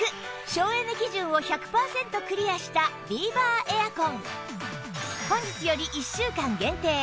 省エネ基準を１００パーセントクリアしたビーバーエアコン本日より１週間限定